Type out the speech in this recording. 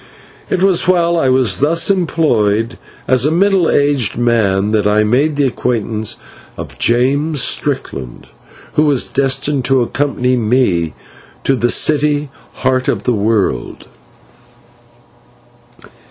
It was while I was thus employed, as a middle aged man, that I made the acquaintance of James Strickland, who was destined to accompany me to the city, Heart of the World.